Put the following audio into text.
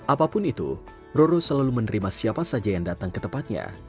apapun itu roro selalu menerima siapa saja yang datang ke tempatnya